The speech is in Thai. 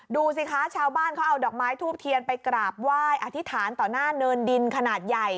ดูสิคะชาวบ้านเขาเอาดอกไม้ทูบเทียนไปกราบไหว้อธิษฐานต่อหน้าเนินดินขนาดใหญ่